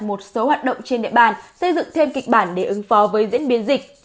một số hoạt động trên địa bàn xây dựng thêm kịch bản để ứng phó với diễn biến dịch